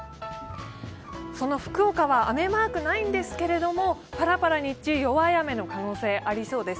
福岡は雨マークないんですけどもぱらぱら日中弱い雨の可能性ありそうです。